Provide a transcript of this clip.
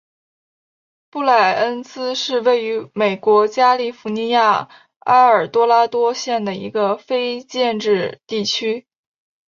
布赖恩茨是位于美国加利福尼亚州埃尔多拉多县的一个非建制地区。